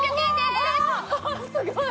すごい！